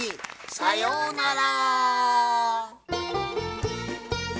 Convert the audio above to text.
さようなら！